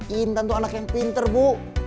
intan itu anak yang pinter bu